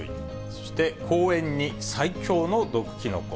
そして公園に最強の毒キノコ。